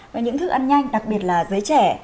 và những thức ăn nhanh đặc biệt là giới trẻ